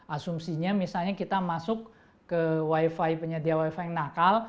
asumsinya misalnya kita masuk ke wifi penyedia wifi yang nakal